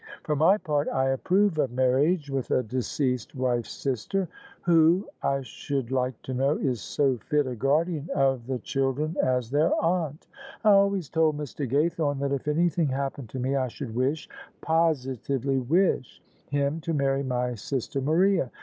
For my part I approve of marriage with a deceased wife's sister. Who, I should like to know, is so fit a guardian of the children [io6] OF ISABEL CARNABY as their aunt? I always told Mr. Ga3rthome that if any thing happened to me I should wish — positively wish — him to marry my sister Maria.